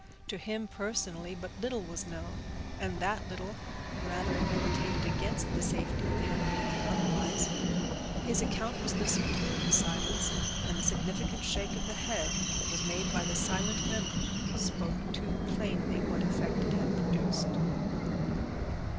To him personally but little was known, and that little rather militated against the safety of Henry than otherwise. His account was listened to in silence, and the significant shake of the head that was made by the silent member spoke too plainly what effect it had produced.